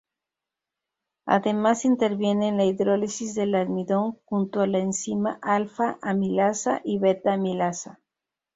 Además interviene en la hidrólisis del almidón junto a la enzima alpha-amilasa y beta-amilasa.